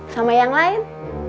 sama yang lain